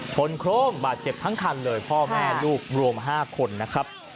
โครงบาดเจ็บทั้งคันเลยพ่อแม่ลูกรวม๕คนนะครับ